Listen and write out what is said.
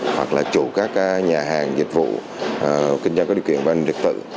hoặc là chủ các nhà hàng dịch vụ kinh doanh có điều kiện và an ninh trật tự